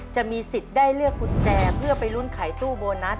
จะมีสิทธิ์ได้เลือกกุญแจเพื่อไปลุ้นขายตู้โบนัส